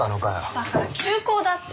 だから休校だって。